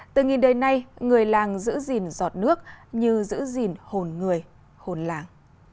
từ nghìn đời nay người làng giữ gìn giọt nước như giữ gìn hồn người hồn làng